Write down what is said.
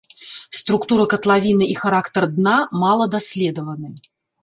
Структура катлавіны і характар дна мала даследаваны.